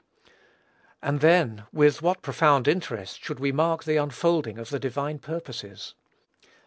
And, then, with what profound interest should we mark the unfolding of the divine purposes!